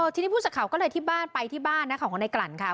ทีนี้ผู้สักข่าวก็เลยที่บ้านไปที่บ้านนะของในกลั่นค่ะ